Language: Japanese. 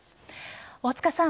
大塚さん